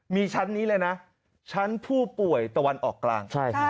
มีชั้นนี้เลยนะชั้นผู้ป่วยตะวันออกกลาง